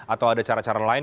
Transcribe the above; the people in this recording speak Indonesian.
atau ada cara cara lain